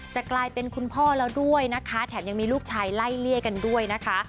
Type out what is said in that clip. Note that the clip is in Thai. กลายเป็นคุณพ่อแล้วด้วยนะคะแถมยังมีลูกชายไล่เลี่ยกันด้วยนะคะ